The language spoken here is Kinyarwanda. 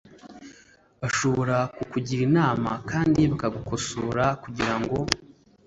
Bashobora kukugira inama kandi bakagukosora kugira ngo